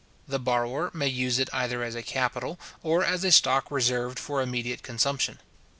The borrower may use it either as a capital, or as a stock reserved for immediate consumption.